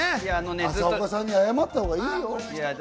朝岡さんに謝ったほうがいいよ。